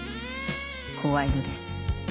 怖いのです。